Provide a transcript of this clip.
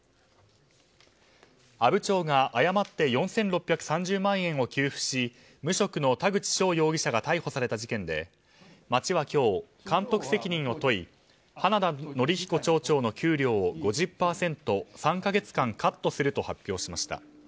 阿武町が誤って４６３０万円を給付し無職の田口翔容疑者が逮捕された事件で町は今日、監督責任を問い花田憲彦町長の給料を５０％、３か月間カットすると発表しました。